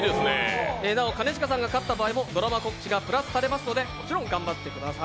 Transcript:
なお、兼近さんが勝った場合もドラマ告知がプラスされますので、もちろん頑張ってください。